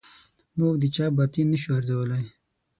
موږ د چا باطن نه شو ارزولای.